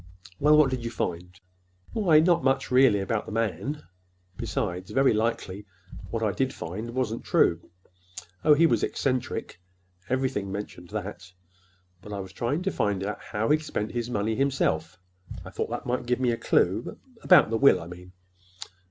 "Well, what did you find?" "Why, not much, really, about the man. Besides, very likely what I did find wasn't true. Oh, he was eccentric. Everything mentioned that. But I was trying to find out how he'd spent his money himself. I thought that might give me a clue—about the will, I mean."